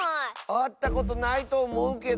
あったことないとおもうけど。